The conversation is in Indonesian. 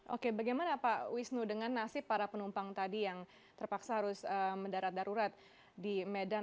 oke bagaimana pak wisnu dengan nasib para penumpang tadi yang terpaksa harus mendarat darurat di medan